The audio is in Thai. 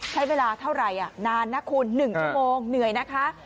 ใช้เวลาเท่าไหร่นานนะคุณ๑ชั่วโมงเหนื่อยนะคะ